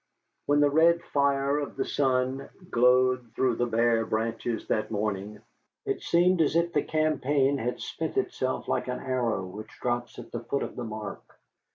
When the red fire of the sun glowed through the bare branches that morning, it seemed as if the campaign had spent itself like an arrow which drops at the foot of the mark.